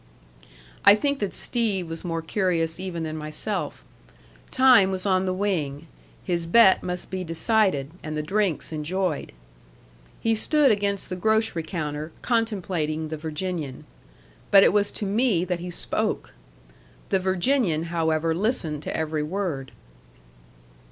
I think that Steve was more curious even than myself. Time was on the wing. His bet must be decided, and the drinks enjoyed. He stood against the grocery counter, contemplating the Virginian. But it was to me that he spoke. The Virginian, however, listened to every word.